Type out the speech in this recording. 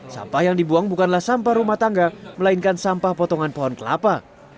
sampah yang dibuang bukanlah sampah rumah tangga melainkan sampah potongan pohon kelapa